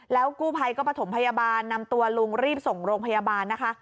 กู้ภัยก็ประถมพยาบาลนำตัวลุงรีบส่งโรงพยาบาลนะคะ